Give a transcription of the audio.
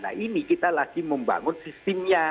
nah ini kita lagi membangun sistemnya